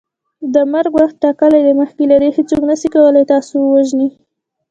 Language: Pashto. د مرګ وخت ټاکلی دی مخکي له دې هیڅوک نسي کولی تاسو ووژني